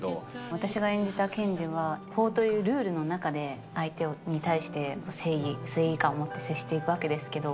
私が演じた検事は、法というルールの中で、相手に対して正義感を持って接していくわけですけど。